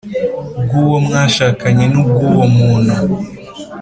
Bw uwo mwashakanye n ubw uwo muntu